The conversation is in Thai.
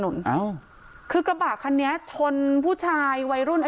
สีขาว